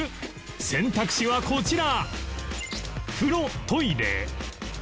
選択肢はこちら